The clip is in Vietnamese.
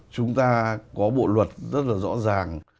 chúng ta có bộ luật rất là rõ ràng